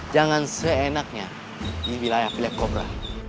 jangan seenaknya ini wilayah black cobra